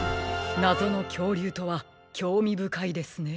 なぞのきょうりゅうとはきょうみぶかいですね。